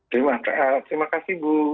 terima kasih bu